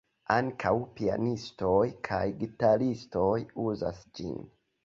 Ankaŭ pianistoj kaj gitaristo uzas ĝin.